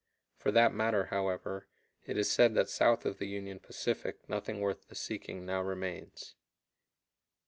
For that matter, however, it is said that south of the Union Pacific nothing worth the seeking now remains.